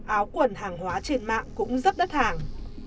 áo quần hàng hóa trên mạng cũng rất đắt hàng